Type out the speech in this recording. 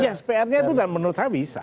ya pr nya itu dan menurut saya bisa